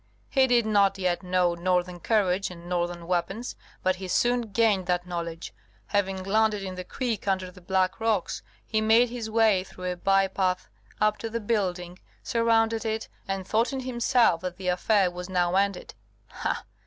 He did not yet know northern courage and northern weapons; but he soon gained that knowledge. Having landed in the creek under the black rocks, he made his way through a by path up to the building, surrounded it, and thought in himself that the affair was now ended.